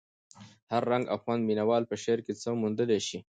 هر رنګ او خوند مینه وال په شعر کې څه موندلی شي.